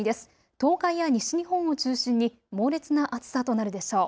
東海や西日本を中心に猛烈な暑さとなるでしょう。